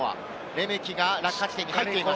レメキが落下地点に入っています。